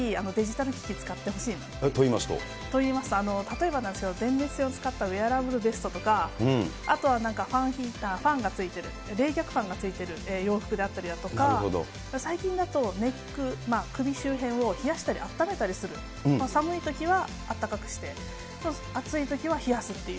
なので、といいますと？といいますと、例えばなんですけど、電熱線を使ったウエアラブルベストとか、あとはファンヒーター、ファンがついてる冷却ファンがついてる洋服だったりとか、最近だとネック、首周辺を冷やしたり温めたりする、寒いときは温かくして、暑いときは冷やすっていう。